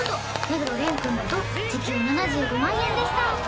黒蓮君だと時給７５万円でした・